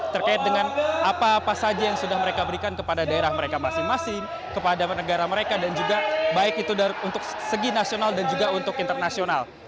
terkait dengan apa apa saja yang sudah mereka berikan kepada daerah mereka masing masing kepada negara mereka dan juga baik itu untuk segi nasional dan juga untuk internasional